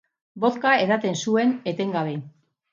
Vodka edaten zuen, etengabe.